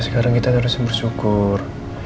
sekarang kita harus bersyukur